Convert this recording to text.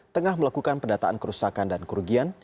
tengah melakukan pendataan kerusakan dan kerugian